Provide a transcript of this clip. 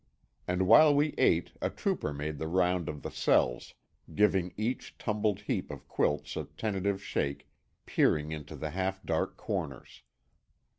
And while we ate a trooper made the round of the cells, giving each tumbled heap of quilts a tentative shake, peering into the half dark corners.